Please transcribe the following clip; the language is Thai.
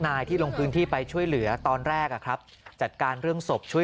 นายที่ลงพื้นที่ไปช่วยเหลือตอนแรกอ่ะครับจัดการเรื่องศพช่วย